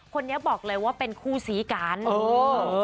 คนนี้บอกเลยว่าเป็นคู่ซีกันเออ